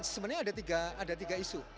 sebenarnya ada tiga isu